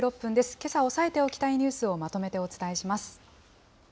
けさ、押さえておきたいニュースをまとめてお伝えします。